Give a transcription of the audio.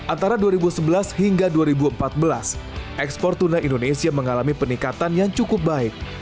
antara dua ribu sebelas hingga dua ribu empat belas ekspor tuna indonesia mengalami peningkatan yang cukup baik